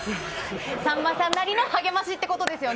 さんまさんなりの励ましということですよね？